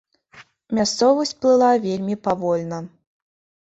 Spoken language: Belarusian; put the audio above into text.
Мясцовасць плыла вельмі павольна.